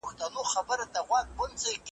ترې چاپېر د لويي وني وه ښاخونه ,